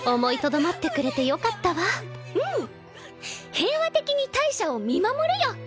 平和的に大赦を見守るよ。